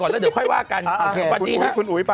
แล้วเดี๋ยวค่อยว่ากันโอเคคุณอุ๊ยคุณอุ๊ยไป